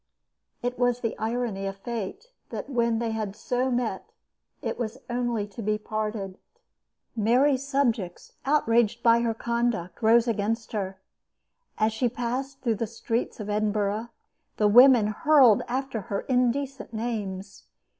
It was the irony of fate that when they had so met it was only to be parted. Mary's subjects, outraged by her conduct, rose against her. As she passed through the streets of Edinburgh the women hurled after her indecent names.